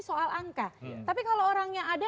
soal angka tapi kalau orang yang ada